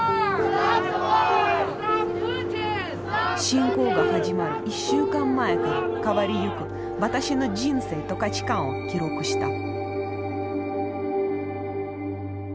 侵攻が始まる１週間前から変わりゆく私の人生と価値観を記録した。